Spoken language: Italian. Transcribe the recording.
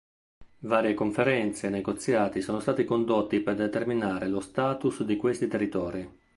Varie conferenze e negoziati sono stati condotti per determinare lo status di questi territori.